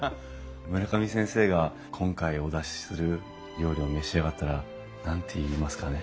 村上先生が今回お出しする料理を召し上がったら何て言いますかねえ。